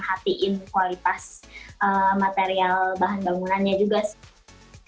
hatiin kualitas material bahan bangunannya juga sih